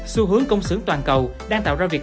xu hướng công sưởng toàn cầu đang tạo ra việc